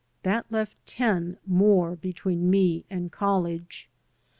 That left ten more between me and college.